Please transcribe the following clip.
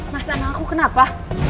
mas anak aku kenapa